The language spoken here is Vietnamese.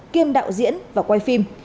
kiêm đạo diễn và quay phim